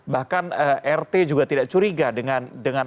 bahkan rt juga tidak curiga dengan apa yang dilakukan